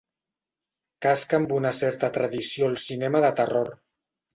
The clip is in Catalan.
Casc amb una certa tradició al cinema de terror.